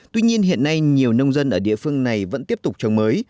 tuy nhiên hiện nay nhiều nông dân ở địa phương này vẫn tiếp tục trồng mới